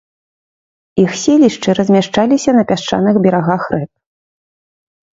Іх селішчы размяшчаліся на пясчаных берагах рэк.